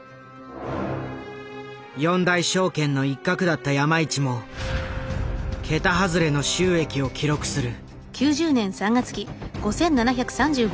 四大証券の一角だった山一も桁外れの収益を記録する。